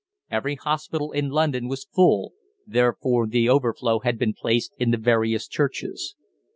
Every hospital in London was full, therefore the overflow had been placed in the various churches.